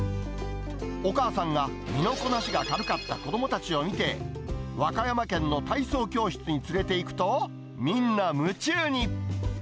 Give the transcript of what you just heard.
お母さんが身のこなしが軽かった子どもたちを見て、和歌山県の体操教室に連れていくと、みんな夢中に。